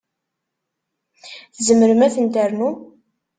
Tzemrem ad ten-ternum.